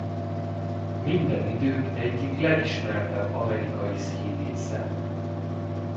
Minden idők egyik legismertebb amerikai színésze.